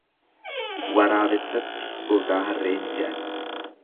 Waraabessatti gogaa harree hin fe'an.